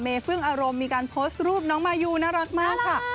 เฟื่องอารมณ์มีการโพสต์รูปน้องมายูน่ารักมากค่ะ